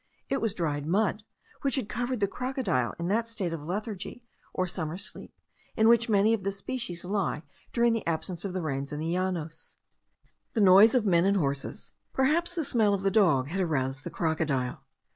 It was dried mud, which had covered the crocodile in that state of lethargy, or summer sleep, in which many of the species lie during the absence of the rains in the Llanos. The noise of men and horses, perhaps the smell of the dog, had aroused the crocodile.